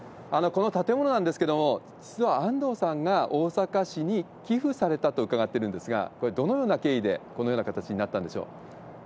この建物なんですけれども、実は安藤さんが大阪市に寄付されたと伺ってるんですが、これ、どのような経緯でこのような形になったんでしょう？